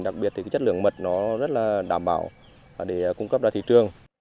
đặc biệt chất lượng mật rất đảm bảo để cung cấp ra thị trường